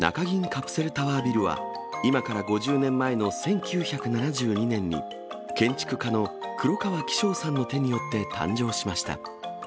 カプセルタワービルは、今から５０年前の１９７２年に、建築家の黒川紀章さんの手によって誕生しました。